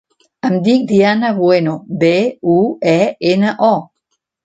Em dic Diana Bueno: be, u, e, ena, o.